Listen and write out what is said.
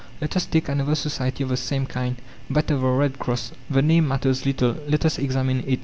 Let us take another society of the same kind, that of the Red Cross. The name matters little; let us examine it.